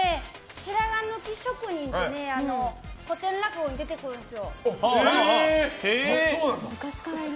白髪抜き職人って古典落語に出てくるんですよ。